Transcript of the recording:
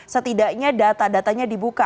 setidaknya data datanya dibuka